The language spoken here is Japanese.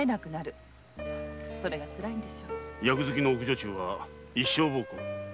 役付きの奥女中は一生奉公。